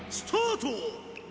スタート